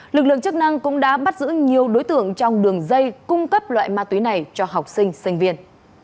lực lượng chức năng cũng đã bắt giữ nhiều đối tượng trong đường dây cung cấp loại ma túy này cho học sinh sinh viên